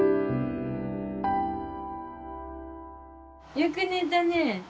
よく寝たね。